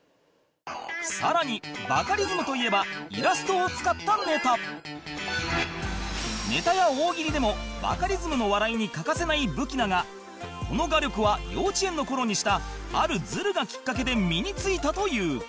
さらにバカリズムといえばイラストを使ったネタネタや大喜利でもバカリズムの笑いに欠かせない武器だがこの画力は幼稚園の頃にしたあるズルがきっかけで身についたという